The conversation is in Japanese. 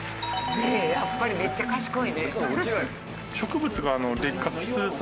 やっぱりめっちゃ賢いね。